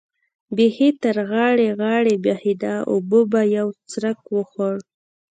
بېخي تر غاړې غاړې بهېده، اوبو به یو څرخک وخوړ.